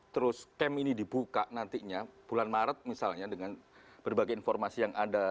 terus camp ini dibuka nantinya bulan maret misalnya dengan berbagai informasi yang ada